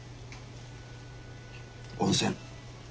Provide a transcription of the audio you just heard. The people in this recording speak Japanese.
温泉。